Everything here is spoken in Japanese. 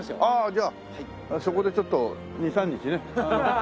ああじゃあそこでちょっと２３日ね。